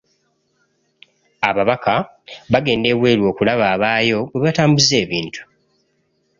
Ababaka bagenda ebweru okulaba abaayo bwe batambuza ebintu.